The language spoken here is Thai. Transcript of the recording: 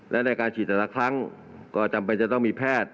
และในการฉีดแต่ละครั้งก็จำเป็นจะต้องมีแพทย์